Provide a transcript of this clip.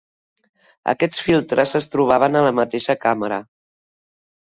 Aquests filtres es trobaven a la mateixa càmera.